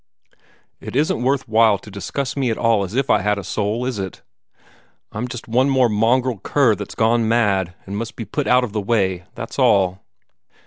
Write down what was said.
It isn't worth while to discuss me at all as if I had a soul, is it? I'm just one more mongrel cur that's gone mad, and must be put out of the way. That's all."